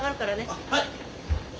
あっはい。